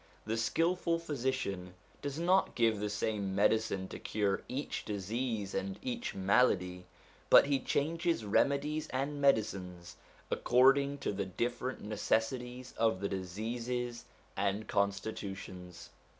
The skilful physician does not give the same medicine to cure each disease and each malady, but he changes remedies and medicines according to the different necessities of the diseases and constitutions.